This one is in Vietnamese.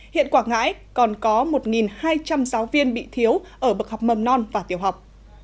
hiện quảng ngãi còn có một hai trăm linh giáo viên bị thiếu ở bậc học mầm non và tiểu học